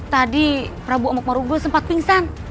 tadi prabu amok marugul sempat pingsan